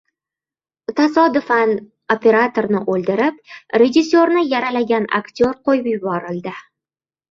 Tasodifan operatorni o‘ldirib, rejissyorni yaralagan aktyor qo‘yib yuborildi